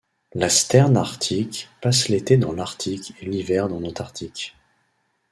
La Sterne arctique passe l'été dans l'Arctique et l'hiver dans l'Antarctique.